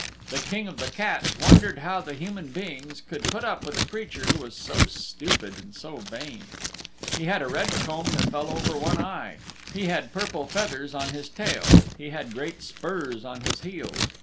The King of the Cats wondered how the human beings could put up with a creature who was so stupid and so vain. He had a red comb that fell over one eye. He had purple feathers on his tail. He had great spurs on his heels.